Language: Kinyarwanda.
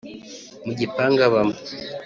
Mu gipangu abamo